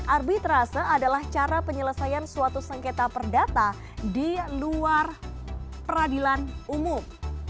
arbitrase adalah cara penyelesaian suatu sengketa perdata di luar peradilan umum